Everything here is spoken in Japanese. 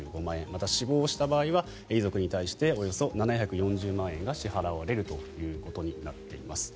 また、死亡した場合は遺族に対しておよそ７４０万円が支払われるということになっています。